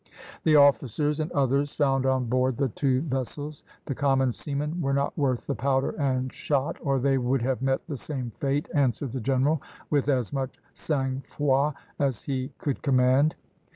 "The officers and others found on board the two vessels. The common seamen were not worth the powder and shot, or they would have met the same fate," answered the general, with as much sang froid as he could command.